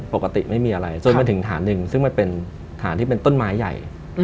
ปกติไม่มีอะไรจนมาถึงฐานหนึ่งซึ่งมันเป็นฐานที่เป็นต้นไม้ใหญ่